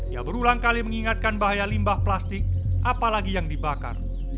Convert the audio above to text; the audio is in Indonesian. ia berulang kali mengingatkan bahaya limbah plastik apalagi yang dibakar